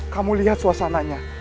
kamu lihat suasananya